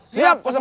siap satu komandan